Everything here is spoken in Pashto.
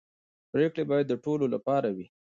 پرېکړې باید د ټولو لپاره وي